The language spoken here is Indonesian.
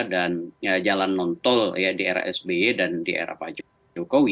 dan jalan non tol ya di era sbe dan di era pak jokowi